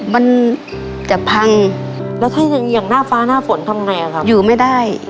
มันจะพังแล้วถ้าอย่างหน้าฟ้าหน้าฝนทำไงครับอยู่ไม่ได้